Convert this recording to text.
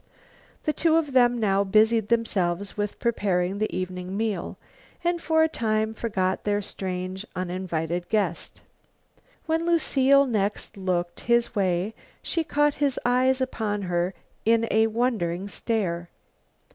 The two of them now busied themselves with preparing the evening meal, and for a time forgot their strange, uninvited guest. When Lucile next looked his way she caught his eyes upon her in a wondering stare.